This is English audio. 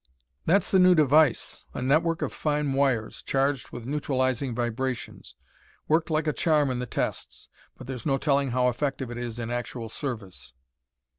"That's the new device, a network of fine wires, charged with neutralising vibrations. Worked like a charm in the tests. But there's no telling how effective it is in actual service."